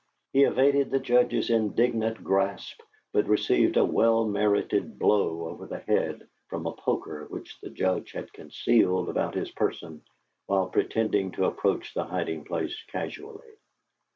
He evaded the Judge's indignant grasp, but received a well merited blow over the head from a poker which the Judge had concealed about his person while pretending to approach the hiding place casually.